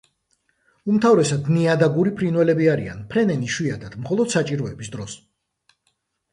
უმთავრესად ნიადაგური ფრინველები არიან, ფრენენ იშვიათად, მხოლოდ საჭიროების დროს.